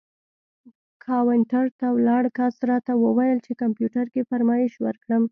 کاونټر ته ولاړ کس راته وویل چې کمپیوټر کې فرمایش ورکړم.